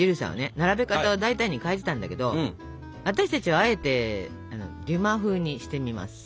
並べ方を大胆に変えてたんだけど私たちはあえてデュマ風にしてみますか？